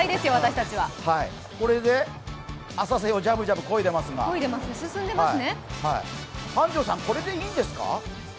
これで浅瀬をジャブジャブこいでいますが繁昌さん、これでいいんですか？